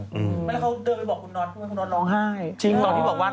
ตอนนั้นเขาเดินไปบอกคุณนอทคุณนอทน้องไห้